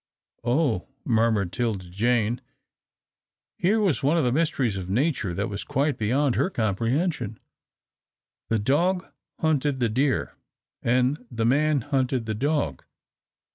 "Oh!" murmured 'Tilda Jane. Here was one of the mysteries of nature that was quite beyond her comprehension. The dog hunted the deer, and the man hunted the dog.